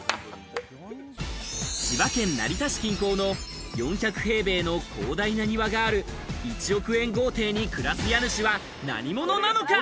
千葉県・成田市近郊の４００平米の広大な庭がある１億円豪邸に暮らす家主は何者なのか？